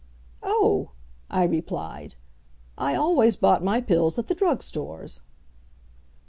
"Oh!" I replied, "I always bought my pills at the drug stores."